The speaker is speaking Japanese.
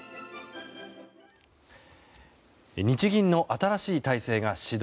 日銀の新しい体制が始動。